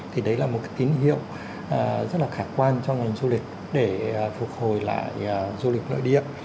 thì đấy là một cái tín hiệu rất là khả quan trong ngành du lịch để phục hồi lại du lịch nội địa